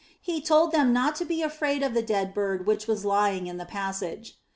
He told them not to be afraid of the dead bird which was lying in the passage.